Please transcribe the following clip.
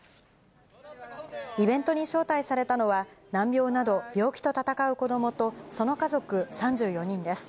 イベントに招待されたのは、難病など病気と闘う子どもと、その家族３４人です。